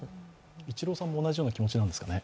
イチローさんも同じような気持ちなんですかね。